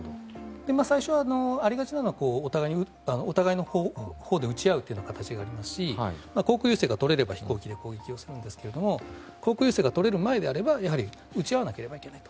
最初にありがちなのはお互いのほうで撃ち合うというのもありますし航空優勢が取れれば飛行機で攻撃するんですが航空優勢が取れる前であれば撃ち合わなければいけない。